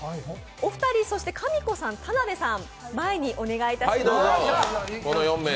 お二人と、かみこさん、田辺さん、前にお願いします。